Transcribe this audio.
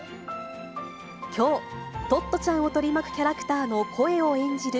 きょう、トットちゃんを取り巻くキャラクターの声を演じる